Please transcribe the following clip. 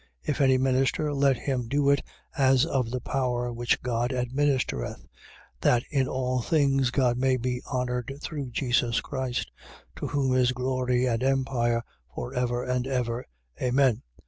If any minister, let him do it, as of the power which God administereth: that in all things God may be honoured through Jesus Christ: to whom is glory and empire for ever and ever. Amen.